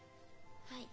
はい。